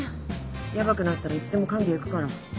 ヤバくなったらいつでも看病行くから。